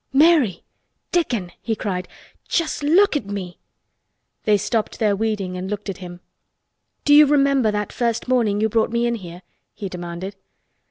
"Mary! Dickon!" he cried. "Just look at me!" They stopped their weeding and looked at him. "Do you remember that first morning you brought me in here?" he demanded.